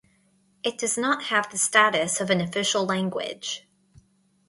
It does not have the status of an official language.